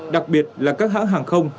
đặc biệt là các hãng hàng không